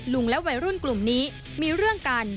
และวัยรุ่นกลุ่มนี้มีเรื่องกัน